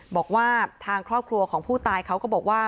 บอกว่าทางครอบครัวของผู้ตายเขาก็บอกว่า